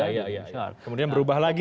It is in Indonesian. kemudian berubah lagi